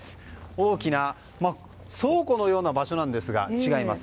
大きな倉庫のような場所なんですが違います。